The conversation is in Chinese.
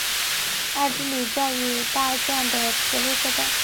爱之里教育大站的铁路车站。